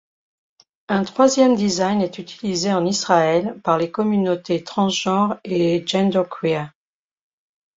Un troisième design est utilisé en Israël par les communautés transgenre et genderqueer.